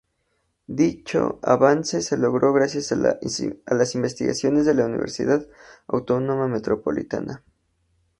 Dicho avance se logró gracias a las investigaciones de la Universidad Autónoma Metropolitana.